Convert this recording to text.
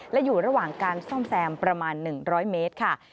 และอยู่ระหว่างการซ่อมแซมประมาณ๑๐๐เมตรค่ะ